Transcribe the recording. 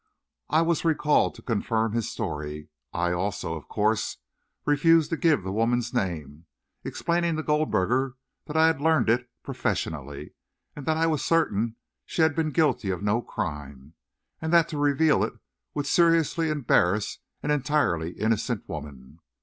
I was recalled to confirm his story. I, also, of course, refused to give the woman's name, explaining to Goldberger that I had learned it professionally, that I was certain she had been guilty of no crime, and that to reveal it would seriously embarrass an entirely innocent woman.